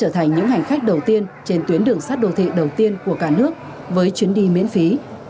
trở thành những hành khách đầu tiên trên tuyến đường sắt đô thị đầu tiên của cả nước với chuyến đi miễn phí